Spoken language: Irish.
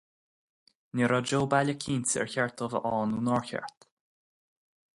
Ní raibh Joe baileach cinnte ar cheart dó a bheith ann nó nár cheart.